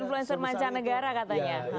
influencer mancanegara katanya